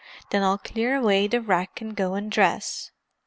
then I'll clear away the wreck and go and dress."